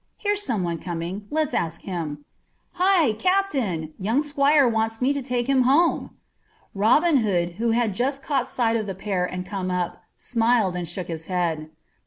Here's someone coming. Let's ask him. Hi! Captain! Young squire wants me to take him home." Robin Hood, who had just caught sight of the pair and come up, smiled and shook his head.